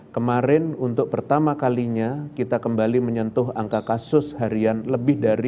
kemarin untuk pertama kalinya kita kembali menyentuh angka kasus harian lebih dari